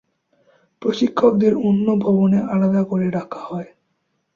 প্রশিক্ষকদের অন্য ভবনে আলাদা করে রাখা হয়।